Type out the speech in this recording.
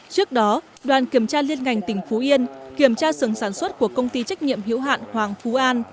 trước đó đoàn kiểm tra liên ngành tỉnh phú yên kiểm tra sừng sản xuất của công ty trách nhiệm hữu hạn hoàng phú an